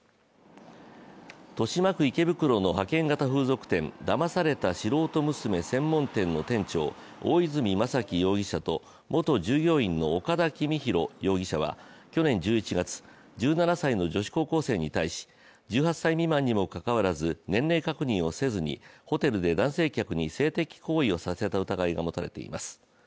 豊島区池袋の派遣型風俗店ダマされた素人娘専門店の店長、大泉正樹容疑者と元従業員の岡田王宏容疑者は去年１１月、１７歳の女子高校生に対し、１８歳未満にもかかわらず年齢確認をせずにホテルで男性客に性的行為をさせた疑いが持たれています。